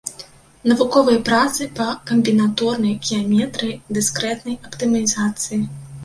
Навуковыя працы па камбінаторнай геаметрыі, дыскрэтнай аптымізацыі.